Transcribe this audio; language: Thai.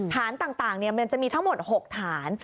ฐานต่างมันจะมีทั้งหมด๖ฐาน